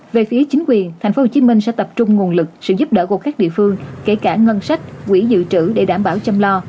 về phía chính quyền tp hcm sẽ tập trung nguồn lực sự giúp đỡ của các địa phương kể cả ngân sách quỹ dự trữ để đảm bảo chăm lo